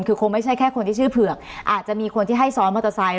คือคงไม่ใช่แค่คนที่ชื่อเผือกอาจจะมีคนที่ให้ซ้อนมอเตอร์ไซค